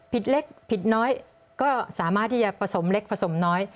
เล็กผิดน้อยก็สามารถที่จะผสมเล็กผสมน้อย